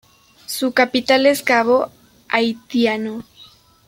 Su capital es Cabo Haitiano.